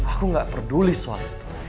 aku gak peduli soal itu